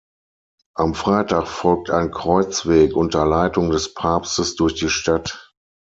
Am Freitag folgt ein Kreuzweg unter Leitung des Papstes durch die Stadt.